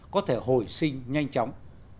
có thể hồi sinh nhanh chóng